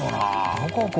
どこ？